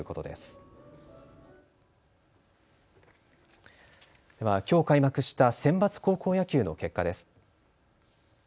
では、きょう開幕したセンバツ高校野球の結果です。